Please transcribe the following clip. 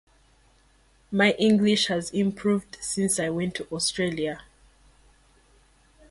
My English has improved since I went to Australia.